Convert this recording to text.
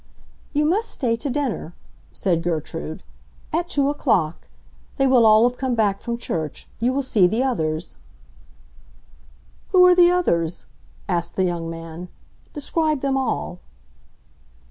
"You must stay to dinner," said Gertrude. "At two o'clock. They will all have come back from church; you will see the others." "Who are the others?" asked the young man. "Describe them all."